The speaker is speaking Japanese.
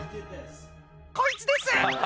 「こいつです」